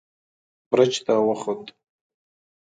برج ته وخوت.